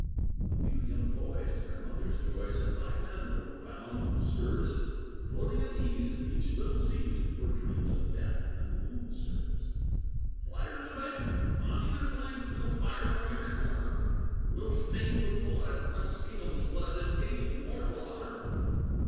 A few young boys, their mothers' joys, And five men there were found, sirs, Floating at ease each little sees Or dreams of death and wound, sirs. "Fly to the bank! on either flank! We'll fire from every corner; We'll stain with blood Muskingum's flood, And gain immortal honor.